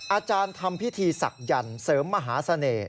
อาจารย์ทำพิธีศักดิ์เสริมมหาเสน่ห์